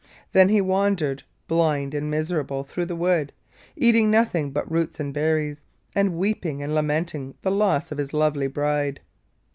Then he wandered, blind and miserable, through the wood, eating nothing but roots and berries, and weeping and lamenting the loss of his lovely bride.